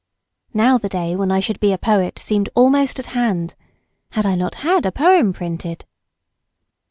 Now the day when I should be a poet seemed almost at hand. Had I not had a poem printed